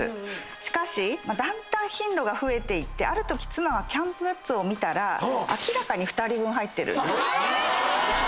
しかしだんだん頻度が増えていってあるとき妻がキャンプグッズを見たら明らかに２人分入ってるんです。